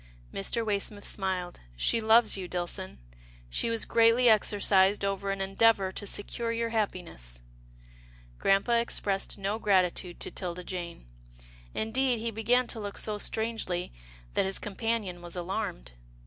Mr. Waysmith smiled. " She loves you, Dillson. She was greatly exercised over an endeavour to secure your happiness." Grampa expressed no gratitude to 'Tilda Jane. Indeed, he began to look so strangely that his com panion was alarmed.